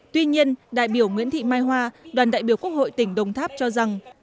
tuy nhiên đại biểu nguyễn thị mai hoa đoàn đại biểu quốc hội tỉnh đồng tháp cho rằng